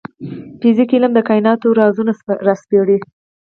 فزیک علم د کایناتو رازونه راسپړي